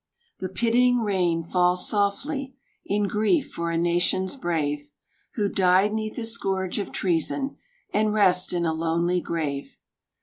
The pitying rain falls softly, In grief for a nation's brave, Who died 'neath the scourge of treason And rest in a lonely grave.